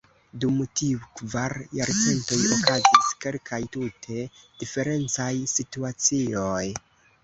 Dum tiuj kvar jarcentoj, okazis kelkaj tute diferencaj situacioj.